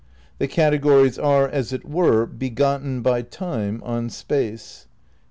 ... "The categories are, as it were, begotten by Time on Space."